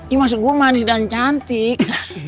ya maksud gua manis dan cantik